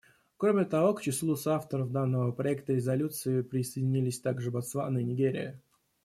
Кроме того, к числу соавторов данного проекта резолюции присоединились также Ботсвана и Нигерия.